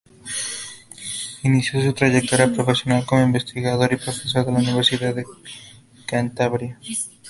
Inició su trayectoria profesional como investigador y profesor de la Universidad de Cantabria.